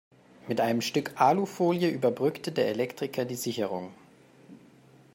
Mit einem Stück Alufolie überbrückte der Elektriker die Sicherung.